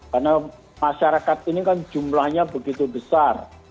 karena masyarakat ini kan jumlahnya begitu besar